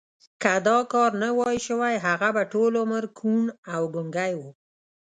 که دا کار نه وای شوی هغه به ټول عمر کوڼ او ګونګی و